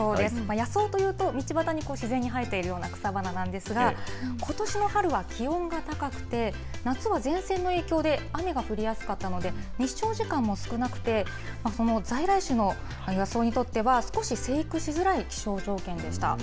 野草というと、道端に自然に生えているような草花なんですが、ことしの春は気温が高くて、夏は前線の影響で雨が降りやすかったので、日照時間も少なくて、その在来種の野草にとっては少し生育しづらい気象条件でした。